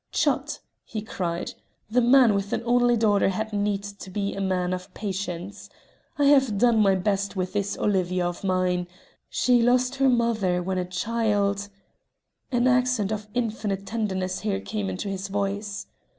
"Chut!" he cried. "The man with an only daughter had need be a man of patience. I have done my best with this Olivia of mine. She lost her mother when a child" an accent of infinite tenderness here came to his voice.